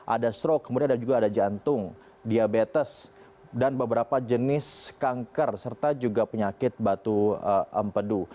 ada stroke kemudian ada juga ada jantung diabetes dan beberapa jenis kanker serta juga penyakit batu empedu